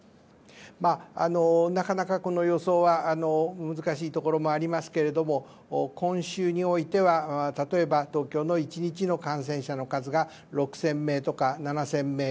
なかなかこの予想は難しいところもありますが今週においては、例えば東京の１日の感染者の数が６０００名とか７０００名。